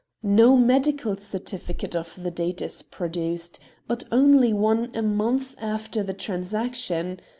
No medical certificate of the date is produced, but only one a month after the transaction.